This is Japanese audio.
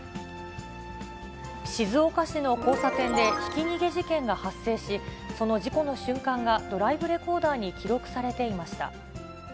静岡市の交差点でひき逃げ事件が発生し、その事故の瞬間がドライブレコーダーに記録されていました。